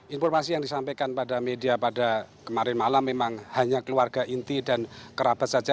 informasi yang disampaikan pada media pada kemarin malam memang hanya keluarga inti dan kerabat saja